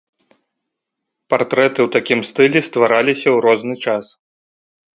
Партрэты ў такім стылі ствараліся ў розны час.